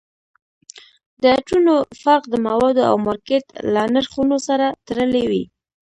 د عطرونو فرق د موادو او مارکیټ له نرخونو سره تړلی وي